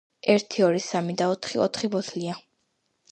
ერთი, ორი, სამი და ოთხი; ოთხი ბოთლია.